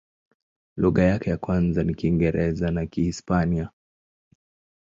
Lugha yake ya kwanza ni Kiingereza na Kihispania.